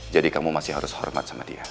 jadi kamu masih harus hormat sama dia ya